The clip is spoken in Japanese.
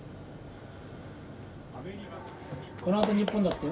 このあと日本だってよ。